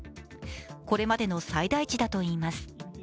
これまでの最大値だといいます。